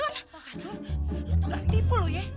lu tukang tipu lu ya